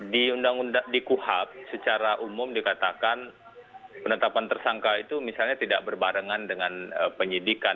di undang undang di kuhab secara umum dikatakan penetapan tersangka itu misalnya tidak berbarengan dengan penyidikan